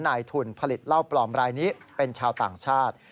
นายทุนผลิตเหล้าปลอมรายนี้เป็นชาวต่างชาติ